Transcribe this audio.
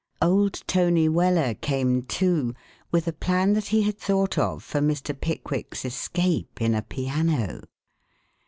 Old Tony Weller came, too, with a plan that he had thought of for Mr. Pickwick's escape in a piano.